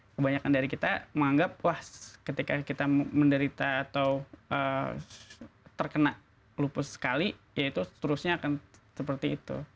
kebanyakan dari kita menganggap wah ketika kita menderita atau terkena lupus sekali ya itu seterusnya akan seperti itu